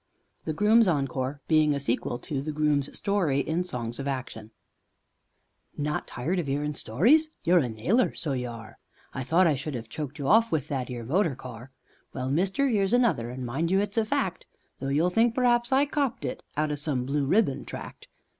THE GROOM'S ENCORE (Being a Sequel to "The Groom's Story" in "Songs of Action") Not tired of 'earin' stories! You're a nailer, so you are! I thought I should 'ave choked you off with that 'ere motor car. Well, mister, 'ere's another; and, mind you, it's a fact, Though you'll think perhaps I copped it out o' some blue ribbon tract.